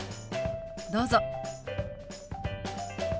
どうぞ。